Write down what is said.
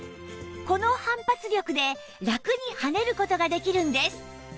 この反発力でラクに跳ねる事ができるんです